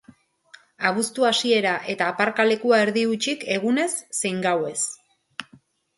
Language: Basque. Abuztu hasiera eta aparlalekua erdi hutsik egunez zein gauez.